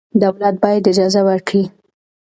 دولت باید اجازه ورکړي.